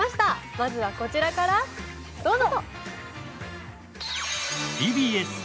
まずは、こちらからどうぞ！